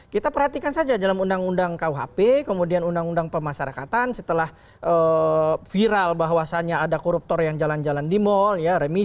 kita perhatikan saja dalam undang undang kuhp kemudian undang undang pemasarakatan setelah viral bahwasannya ada koruptor yang jalan jalan di mall